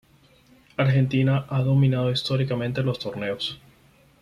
Argentina ha dominado históricamente los torneos.